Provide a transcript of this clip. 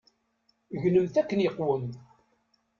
Gnemt akken iqwem.